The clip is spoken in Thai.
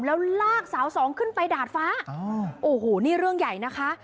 แล้วลากสาวสองขึ้นไปดาดฟ้าโอ้โหนี่เรื่องใหญ่นะคะ